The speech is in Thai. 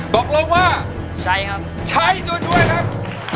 บอกลงว่าใช้ตัวช่วยครับ